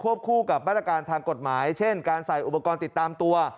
คู่กับมาตรการทางกฎหมายเช่นการใส่อุปกรณ์ติดตามตัว